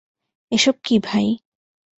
এসব কী ভাই!